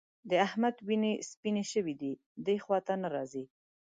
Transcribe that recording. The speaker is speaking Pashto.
د احمد وینې سپيېنې شوې دي؛ دې خوا ته نه راځي.